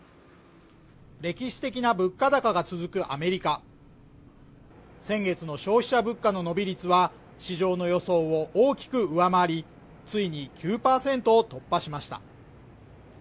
歴史的な物価高が続くアメリカ先月の消費者物価の伸び率は市場の予想を大きく上回りついに９％を突破しました